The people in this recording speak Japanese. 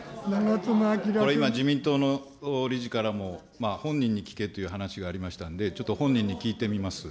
これ今自民党の理事からも、本人に聞けという話がありましたんで、ちょっと本人に聞いてみます。